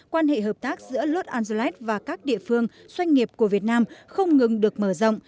quan hệ hợp tác giữa los angeles và các địa phương doanh nghiệp của việt nam không ngừng được mở rộng